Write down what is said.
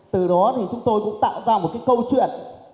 từ đó thì chúng tôi cũng tạo ra một cái câu chuyện